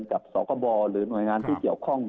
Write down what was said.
กับสคบหรือหน่วยงานที่เกี่ยวข้อง